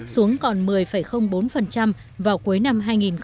xuống còn một mươi bốn vào cuối năm hai nghìn một mươi chín